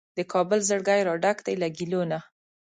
د کابل زړګی راډک دی له ګیلو نه